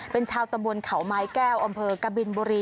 เป็นชาวตำบลเขาไม้แก้วอำเภอกบินบุรี